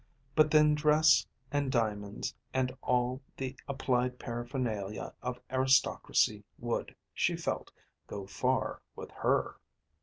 But then dress and diamonds, and all the applied paraphernalia of aristocracy would, she felt, go far with her.